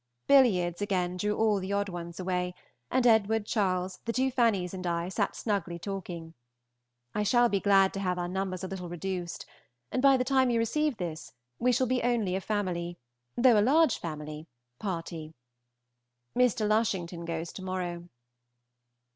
Billiards again drew all the odd ones away; and Edward, Charles, the two Fannies, and I sat snugly talking. I shall be glad to have our numbers a little reduced, and by the time you receive this we shall be only a family, though a large family, party. Mr. Lushington goes to morrow.